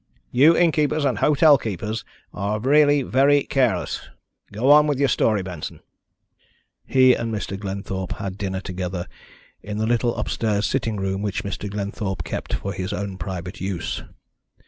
You innkeepers and hotel keepers are really very careless. Go on with your story, Benson." "He and Mr. Glenthorpe had dinner together in the little upstairs sitting room which Mr. Glenthorpe kept for his own private use.